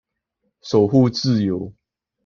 守護自由